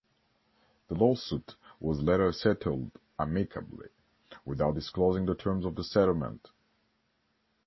The lawsuit was later settled amicably, without disclosing the terms of the settlement.